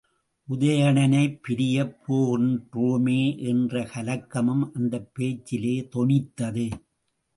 உதயணனைப் பிரியப் போகின்றோமே என்ற கலக்கமும் அந்தப் பேச்சிலே தொனித்தது.